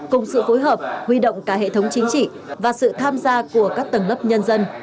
cùng sự phối hợp huy động cả hệ thống chính trị và sự tham gia của các tầng lớp nhân dân